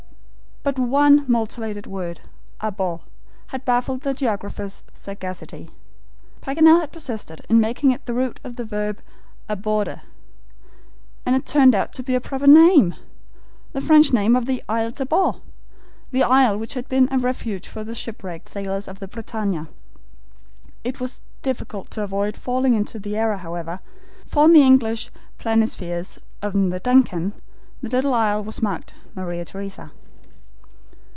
But one mutilated word, ABOR, had baffled the geographer's sagacity. Paganel had persisted in making it the root of the verb ABORDER, and it turned out to be a proper name, the French name of the Isle Tabor, the isle which had been a refuge for the shipwrecked sailors of the BRITANNIA. It was difficult to avoid falling into the error, however, for on the English planispheres on the DUNCAN, the little isle was marked Maria Theresa.